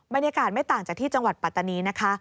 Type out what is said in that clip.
บรรยากาศไม่ต่างจากที่จังหวัดปัตตานีนะคะ